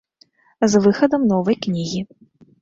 З выхадам новай кнігі.